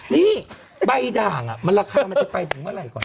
นี่ใบด่างมันราคามันจะไปถึงเมื่อไหร่ก่อน